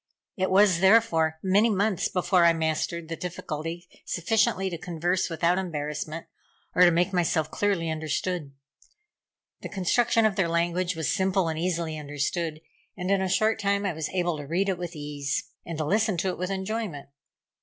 It was, therefore, many months before I mastered the difficulty sufficiently to converse without embarrassment, or to make myself clearly understood. The construction of their language was simple and easily understood, and in a short time I was able to read it with ease, and to listen to it with enjoyment.